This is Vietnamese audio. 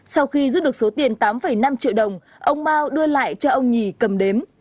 sau khi rút được số tiền tám năm triệu đồng ông mao đưa lại cho ông nhì cầm đếm